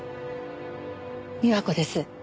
美和子です。